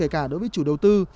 cả đối với chủ đầu tư